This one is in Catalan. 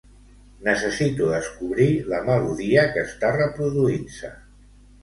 Necessito descobrir la melodia que està reproduint-se.